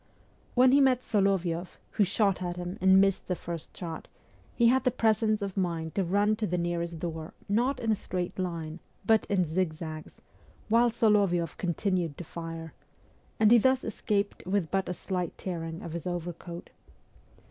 When he met Solovioff, who shot at him and missed the first shot, he had the presence of mind to run to the nearest door, not in a straight line, but in zigzags, while Solovioff continued to fire ; and he thus escaped with but a slight tearing of his overcoat.